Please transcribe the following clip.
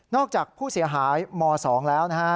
จากผู้เสียหายม๒แล้วนะฮะ